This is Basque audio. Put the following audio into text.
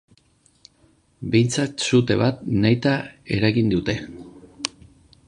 Behintzat sute bat nahita eragin dute.